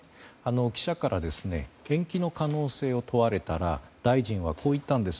記者から延期の可能性を問われたら大臣は、こう言ったんです。